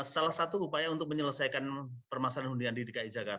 salah satu upaya untuk menyelesaikan permasalahan undian di dki